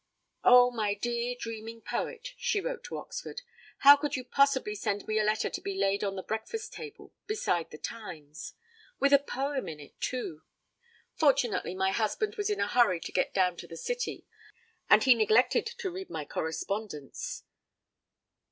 'Oh, my dear, dreaming poet,' she wrote to Oxford, 'how could you possibly send me a letter to be laid on the breakfast table beside The Times! With a poem in it, too. Fortunately my husband was in a hurry to get down to the City, and he neglected to read my correspondence.